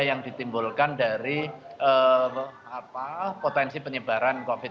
yang ditimbulkan dari potensi penyebaran covid sembilan belas